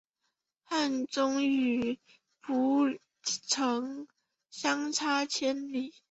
汉中与涪城相差千里。